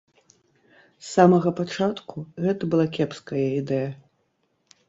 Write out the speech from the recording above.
З самага пачатку гэта была кепская ідэя.